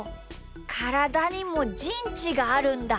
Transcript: からだにもじんちがあるんだ。